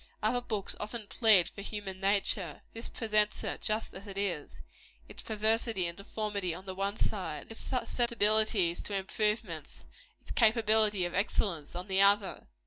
Other books often plead for human nature; this presents it just as it is its perversity and deformity on the one side; its susceptibilities to improvement, its capability of excellency, on the other.